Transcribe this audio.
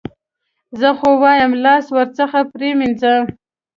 زه خو وایم لاس ورڅخه پرې مینځه.